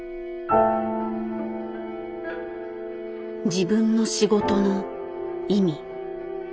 自分の仕事の意味。